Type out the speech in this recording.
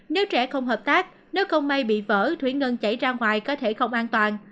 nếu trẻ không hợp tác nếu không may bị vỡ thủy ngân chảy ra ngoài có thể không an toàn